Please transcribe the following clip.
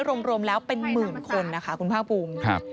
รวมแล้วเป็นหมื่นคนนะคะคุณภาคภูมิ